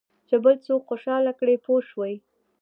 چې بل څوک خوشاله کړې پوه شوې!.